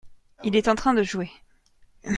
Il est en train de jouer.